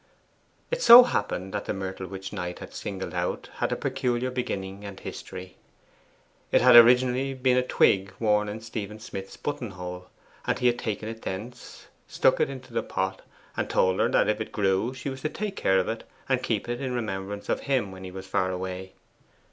It so happened that the myrtle which Knight had singled out had a peculiar beginning and history. It had originally been a twig worn in Stephen Smith's button hole, and he had taken it thence, stuck it into the pot, and told her that if it grew, she was to take care of it, and keep it in remembrance of him when he was far away.